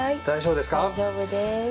大丈夫です。